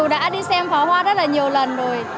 dù đã đi xem phá hoa rất là nhiều lần rồi